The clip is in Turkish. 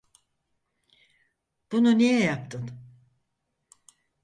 Bunu niye yaptın?